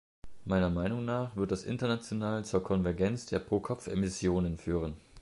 Meiner Meinung nach wird das international zur Konvergenz der Pro-Kopf-Emissionen führen.